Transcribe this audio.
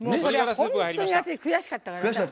本当に悔しかったからさ。